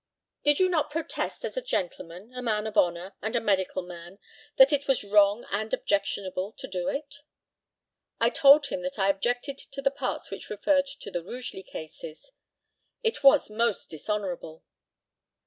Did you not protest as a gentleman, a man of honour, and a medical man that it was wrong and objectionable to do it? I told him that I objected to the parts which referred to the Rugeley cases. It was most dishonourable.